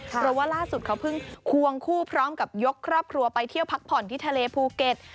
เพราะว่าล่าสุดเขาเพิ่งควงคู่พร้อมกับยกครอบครัวไปเที่ยวพักผ่อนที่ทะเลภูเก็ต